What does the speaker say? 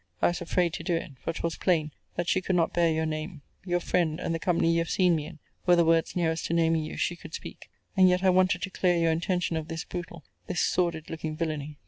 I was afraid to do it. For 'twas plain, that she could not bear your name: your friend, and the company you have seen me in, were the words nearest to naming you she could speak: and yet I wanted to clear your intention of this brutal, this sordid looking villany.